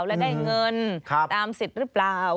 และได้เงินตามสิทธิ์หรือเปล่า